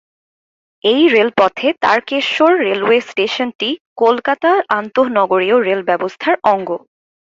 এই রেলপথে তারকেশ্বর রেলওয়ে স্টেশনটি কলকাতা আন্তঃনগরীয় রেল ব্যবস্থার অঙ্গ।